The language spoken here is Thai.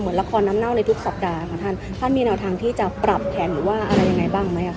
เหมือนละครน้ำเน่าในทุกสัปดาห์ท่านมีแนวทางที่จะปรับแผนหรือว่าอะไรยังไงบ้างไหม